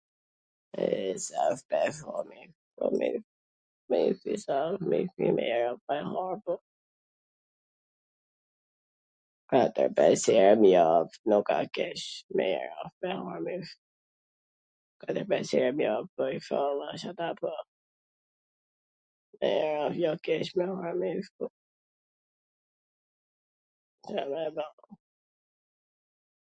e, a jo keq me hangwr mish, po edhe ... katwr pes her nw jav nuk a keq, mir a me hangwr mish, edhe pes her n jav po ishalla ....[???}